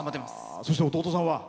そして弟さんは。